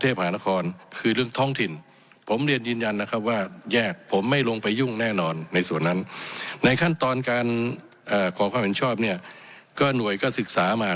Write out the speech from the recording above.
เอ่อกองความเห็นชอบเนี่ยก็หน่วยก็ศึกษามาก